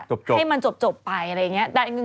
ให้มันจบไปอะไรอย่างนี้